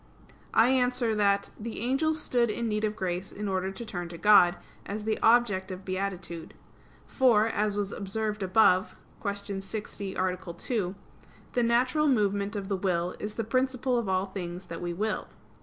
I answer that, The angels stood in need of grace in order to turn to God, as the object of beatitude. For, as was observed above (Q. 60, A. 2) the natural movement of the will is the principle of all things that we will.